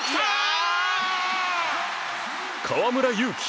河村勇輝。